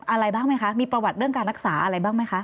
อะไรบ้างไหมคะมีประวัติเรื่องการรักษาอะไรบ้างไหมคะ